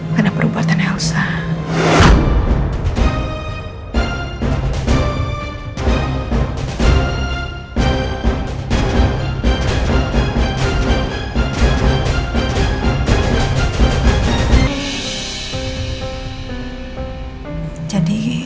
karena perbuatan elsa